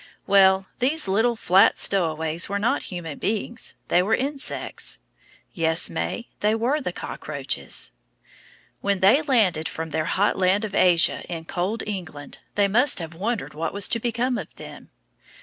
Well, these little flat stowaways were not human beings, they were insects. Yes, May, they were the cockroaches. When they landed from their hot land of Asia in cold England, they must have wondered what was to become of them.